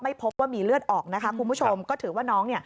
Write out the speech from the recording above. พบว่ามีเลือดออกนะคะคุณผู้ชมก็ถือว่าน้องเนี่ย